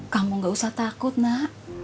kamu gak usah takut nak